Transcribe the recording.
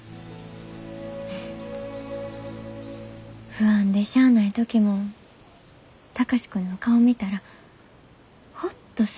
不安でしゃあない時も貴司君の顔見たらホッとすんねん。